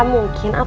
ya gak mungkin atuh